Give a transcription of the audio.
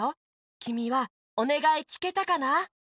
きみはおねがいきけたかな？